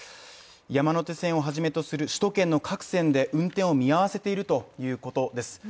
山手線をはじめとする首都圏の各線で運転を見合わせているということです。